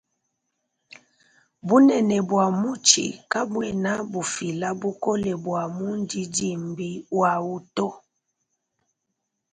Bunene bua mutshi kabuena bufila bukole bua mundi dimbi wawuto.